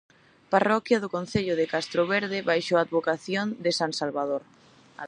Parroquia do concello de Castroverde baixo a advocación de san Salvador.